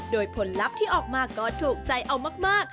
โดยผลลัพธ์ที่ออกมาก็ถูกใจเอามาก